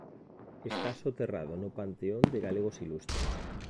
Está soterrado no Panteón de Galegos Ilustres.